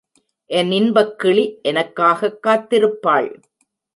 என் இன்பக் கிளி எனக்காகக் காத்திருப்பாள்.